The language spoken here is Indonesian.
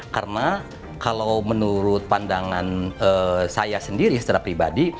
karena kalau menurut pandangan saya sendiri secara pribadi